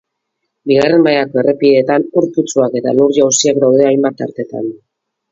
Bigarren mailako errepideetan ur-putzuak eta lur-jausiak daude hainbat tartetan.